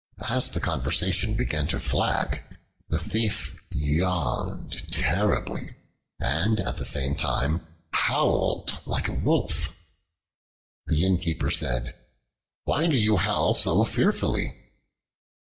As the conversation began to flag, the Thief yawned terribly and at the same time howled like a wolf. The Innkeeper said, "Why do you howl so fearfully?"